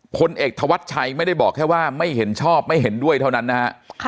พลเอกธวัชชัยไม่ได้บอกแค่ว่าไม่เห็นชอบไม่เห็นด้วยเท่านั้นนะฮะ